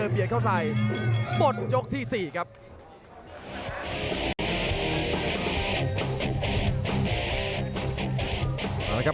พาท่านผู้ชมกลับติดตามความมันกันต่อครับ